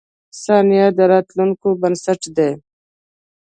• ثانیه د راتلونکې بنسټ دی.